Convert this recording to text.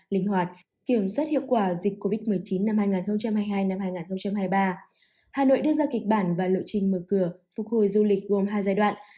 linh hoạt kiểm soát hiệu quả dịch covid một mươi chín năm hai nghìn hai mươi hai hai nghìn hai mươi ba hà nội đưa ra kịch bản và lộ trình mở cửa phục hồi du lịch gồm hai giai đoạn